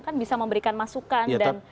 kan bisa memberikan masukan dan